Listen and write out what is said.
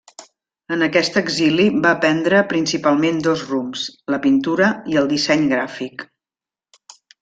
En aquest exili va prendre principalment dos rumbs: la pintura i el disseny gràfic.